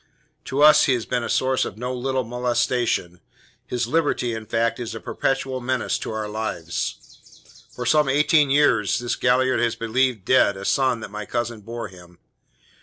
To us he has been a source of no little molestation; his liberty, in fact, is a perpetual menace to our lives. For some eighteen years this Galliard has believed dead a son that my cousin bore him.